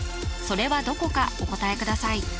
それはどこかお答えください